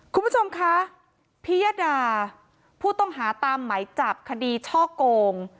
คุณผู้ชมคะพิยดาผู้ต้องหาตามไหมจับคดีช่อโกง